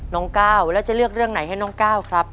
น้องก้าวแล้วจะเลือกเรื่องไหนให้น้องก้าวครับ